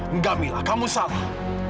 enggak mila kamu salah